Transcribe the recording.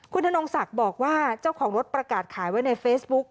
คุณธนงศักดิ์บอกว่าเจ้าของรถประกาศขายไว้ในเฟซบุ๊ก